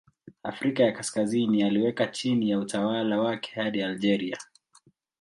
Afrika ya Kaskazini aliweka chini ya utawala wake hadi Algeria.